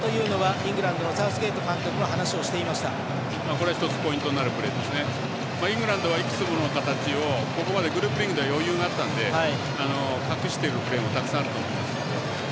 イングランドは、いくつもの形をここまで、グループリーグでは余裕があったので隠しているプレーもたくさんあると思います。